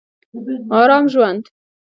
ارام ژوند